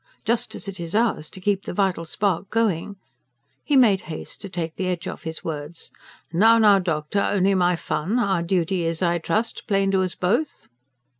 ... just as it is ours to keep the vital spark going," he made haste to take the edge off his words. "Now, now, doctor, only my fun! Our duty is, I trust, plain to us both."